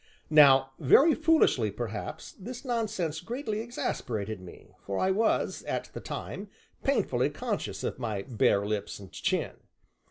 Now, very foolishly perhaps, this nonsense greatly exasperated me, for I was, at that time, painfully conscious of my bare lips and chin.